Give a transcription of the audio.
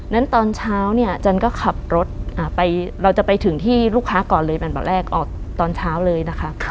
นั้นตอนเช้าเนี่ยจันก็ขับรถเราจะไปถึงที่ลูกค้าก่อนเลยเป็นแบบแรกออกตอนเช้าเลยนะคะ